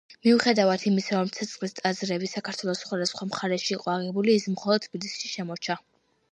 მიუხედავად იმისა, რომ „ცეცხლის ტაძრები“ საქართველოს სხვადასხვა მხარეში იყო აგებული, ის მხოლოდ თბილისში შემორჩა.